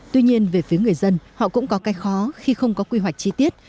tuy nhiên về phía người dân họ cũng có cái khó khi không có quy hoạch chi tiết